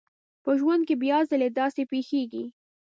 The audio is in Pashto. په ژوند کې بيا ځلې داسې پېښېږي.